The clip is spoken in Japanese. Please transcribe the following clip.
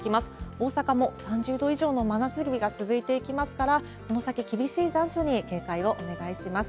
大阪も３０度以上の真夏日が続いていきますから、この先、厳しい残暑に警戒をお願いします。